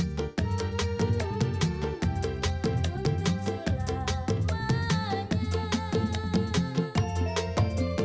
kamu mengerikan malu